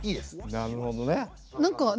なるほどね。